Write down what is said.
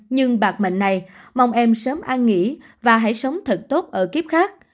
nhưng bạc mệnh này mong em sớm an nghỉ và hãy sống thật tốt ở kiếp khác